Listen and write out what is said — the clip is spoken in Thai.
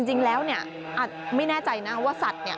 จริงแล้วเนี่ยอาจไม่แน่ใจนะว่าสัตว์เนี่ย